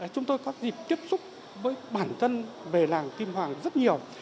chúng tôi có dịp tiếp xúc với bản thân về làng kim hoàng rất nhiều